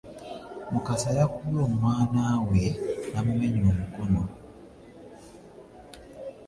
Mukasa yakubye omwanaawe namumenya omukono.